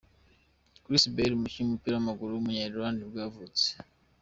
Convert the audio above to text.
Chris Baird, umukinnyi w’umupira w’amaguru wo muri Ireland nibwo yavutse.